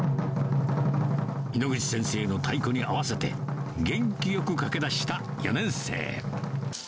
猪口先生の太鼓に合わせて、元気よく駆けだした４年生。